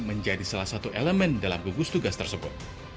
menjadi salah satu elemen dalam gugus tugas tersebut